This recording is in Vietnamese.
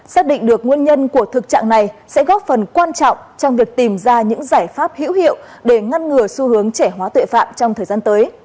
xác định được nguyên nhân của thực trạng này sẽ góp phần quan trọng trong việc tìm ra những giải pháp hữu hiệu để ngăn ngừa xu hướng trẻ hóa tội phạm trong thời gian tới